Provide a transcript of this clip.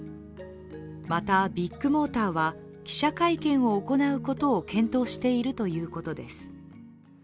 またビッグモーターは記者会見を行うことを検討しているということです。